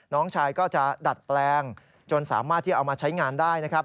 น้องชายก็จะดัดแปลงจนสามารถที่เอามาใช้งานได้นะครับ